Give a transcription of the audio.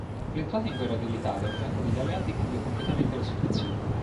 L'entrata in guerra dell'Italia al fianco degli alleati cambiò completamente la situazione.